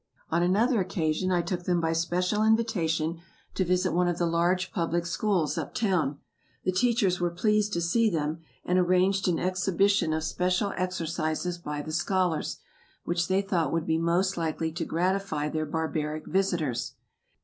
On another occasion, I took them by special invitation to visit one of the large public schools up town. The teachers were pleased to see them, and arranged an exhibition of special exercises by the scholars, which they thought would be most likely to gratify their barbaric visitors.